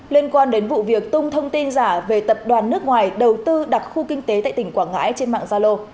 liên quan đến vụ việc tung thông tin giả về tập đoàn nước ngoài đầu tư đặc khu kinh tế tại tỉnh quảng ngãi trên mạng gia lô